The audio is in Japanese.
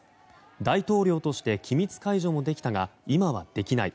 大統領として機密解除もできたが今はできない。